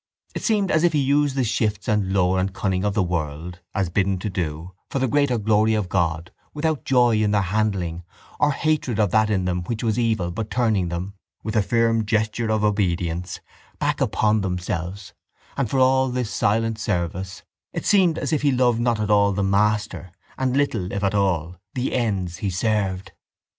It seemed as if he used the shifts and lore and cunning of the world, as bidden to do, for the greater glory of God, without joy in their handling or hatred of that in them which was evil but turning them, with a firm gesture of obedience back upon themselves and for all this silent service it seemed as if he loved not at all the master and little, if at all, the ends he served.